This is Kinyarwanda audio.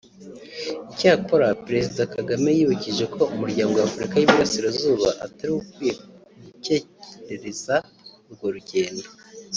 Icyakora Perezida Kagame yibukije ko umuryango wa Afurika y’Iburasirazuba atari wo ukwiye gukerereza urwo rugendo